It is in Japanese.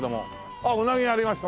あっうなぎ屋ありました！